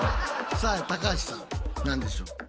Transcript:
さあ高橋さん何でしょう？